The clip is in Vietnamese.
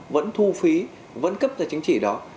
vẫn thu phí vẫn cấp ra chứng chỉ đó